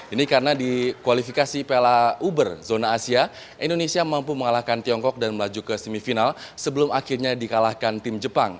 ini karena di kualifikasi piala uber zona asia indonesia mampu mengalahkan tiongkok dan melaju ke semifinal sebelum akhirnya dikalahkan tim jepang